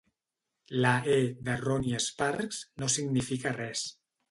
La "E" de "Ron E Sparks" no significa res.